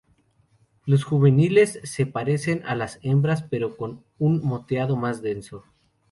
Los juveniles se parecen a las hembras pero con un moteado más denso.